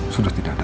sudah tidak ada